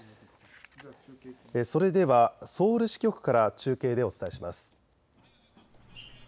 それではソウル支局から中継でお伝えします。